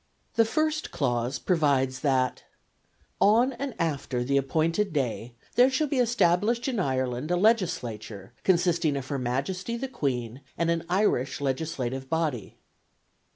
The first clause provides that "On and after the appointed day there shall be established in Ireland a Legislature consisting of Her Majesty the Queen and an Irish legislative body."